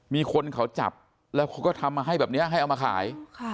มีคนเขาจับแล้วเขาก็ทำมาให้แบบนี้ให้เอามาขาย